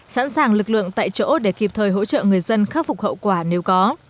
sẵn sàng lực lượng tại chỗ để kịp thời hỗ trợ người dân khắc phục hậu quả nếu có